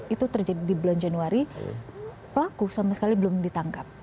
itu terjadi di bulan januari pelaku sama sekali belum ditangkap